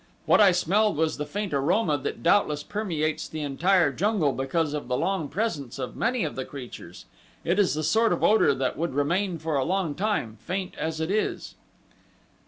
"What I smelled was the faint aroma that doubtless permeates the entire jungle because of the long presence of many of the creatures it is the sort of odor that would remain for a long time, faint as it is.